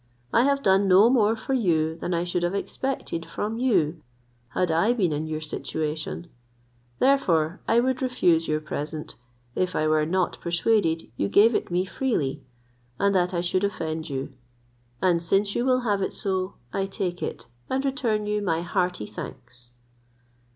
I have done no more for you than I should have expected from you had I been in your situation; therefore I would refuse your present, if I were not persuaded you gave it me freely, and that I should offend you; and since you will have it so, I take it, and return you my hearty thanks."